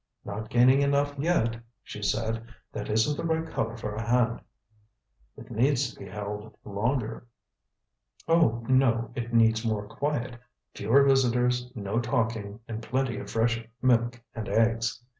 "Not gaining enough yet," she said. "That isn't the right color for a hand." "It needs to be held longer." "Oh, no, it needs more quiet. Fewer visitors, no talking, and plenty of fresh milk and eggs."